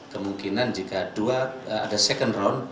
kemungkinan jika ada dua second round